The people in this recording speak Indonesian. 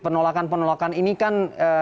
penolakan penolakan ini kan